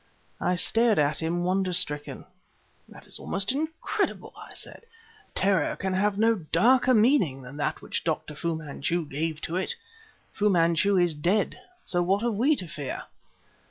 I stared at him wonder stricken. "That is almost incredible," I said; "terror can have no darker meaning than that which Dr. Fu Manchu gave to it. Fu Manchu is dead, so what have we to fear?"